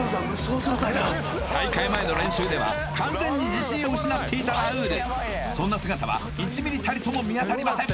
大会前の練習では完全に自信を失っていたラウールそんな姿は１ミリたりとも見当たりません